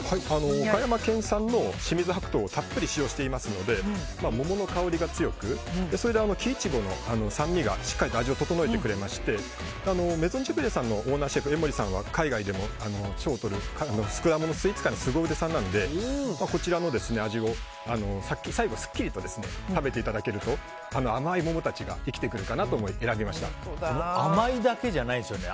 岡山県産の清水白桃をたっぷり使用していますので桃の香りが強く、それで木苺の酸味がしっかりと味を調えてくれましてメゾンジブレーのオーナーシェフ江森さんは海外でも賞をとる果物スイーツ界のすご腕さんなのでこちらの味を最後すっきりと食べていただけると甘い桃たちが甘いだけじゃないですよね。